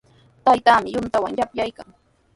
Taytaami yuntawan yapyaykan.